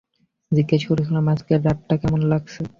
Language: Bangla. জিজ্ঞেস করছিলাম আজকের রাতটা কেমন লাগছে?